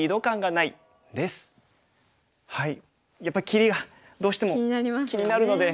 やっぱり切りがどうしても気になるので。